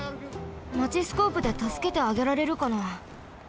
マチスコープでたすけてあげられるかな？